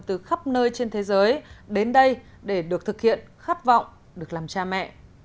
từ khắp nơi trên thế giới đến đây để được thực hiện khát vọng được làm cha mẹ